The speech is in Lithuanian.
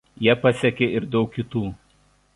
Ja pasekė ir daug kitų.